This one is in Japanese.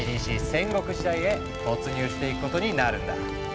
戦国時代へ突入していくことになるんだ。